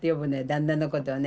旦那のことをね。